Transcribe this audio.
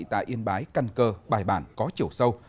tại yên bái căn cơ bài bản có chiều sâu